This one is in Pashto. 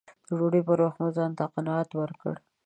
د ډوډۍ پر وخت مې ځان ته قناعت ورکړ